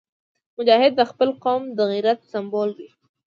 مجاهد د خپل قوم د غیرت سمبول وي.